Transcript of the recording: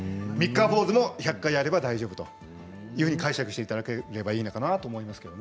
三日坊主も１００回やれば大丈夫と解釈していただければいいのかなと思います。